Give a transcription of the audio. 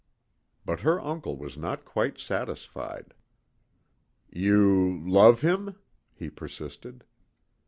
'" But her uncle was not quite satisfied. "You love him?" he persisted.